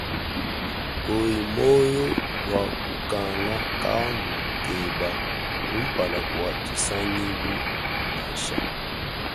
Kuhi moyo bua kukanga kaamu keba kumpala kua tshisangilu nansha.